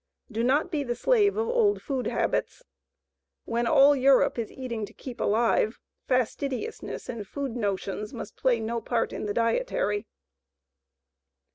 Do not be the slave of old food habits. WHEN ALL EUROPE IS EATING TO KEEP ALIVE, FASTIDIOUSNESS AND FOOD "NOTIONS" MUST PLAY NO PART IN THE DIETARY.